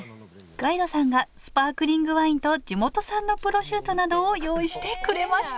ガイドさんがスパークリングワインと地元産のプロシュートなどを用意してくれました！